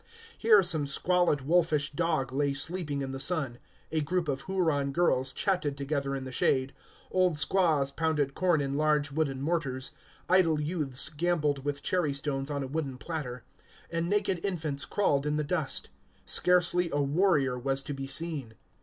Here some squalid wolfish dog lay sleeping in the sun, a group of Huron girls chatted together in the shade, old squaws pounded corn in large wooden mortars, idle youths gambled with cherry stones on a wooden platter, and naked infants crawled in the dust. Scarcely a warrior was to be seen.